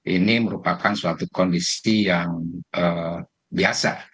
ini merupakan suatu kondisi yang biasa